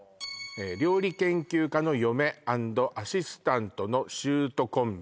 「料理研究家の嫁＆アシスタントの舅コンビ」